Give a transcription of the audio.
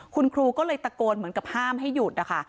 คุณครูก็เลยตะโกนเหมือนกับห้ามให้หยุดนะคะ